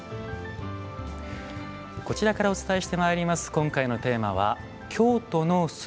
こちらからお伝えしてまいります